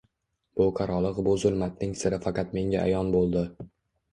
Bu qarolig’ bu zulmatning siri faqat menga ayon bo’ldi.